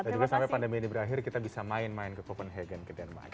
dan juga sampai pandemi ini berakhir kita bisa main main ke copenhagen ke denmark